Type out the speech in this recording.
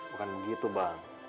bukan gitu bang